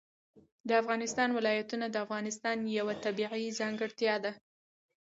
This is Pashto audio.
د افغانستان ولايتونه د افغانستان یوه طبیعي ځانګړتیا ده.